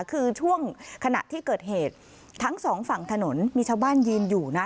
คือช่วงขณะที่เกิดเหตุทั้งสองฝั่งถนนมีชาวบ้านยืนอยู่นะ